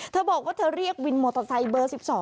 เธอบอกว่าเธอเรียกวินมอเตอร์ไซค์เบอร์๑๒